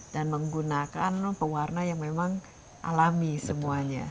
dan menggunakan pewarna yang memang alami semuanya